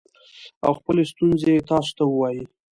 او خپلې ستونزې تاسو ته ووايي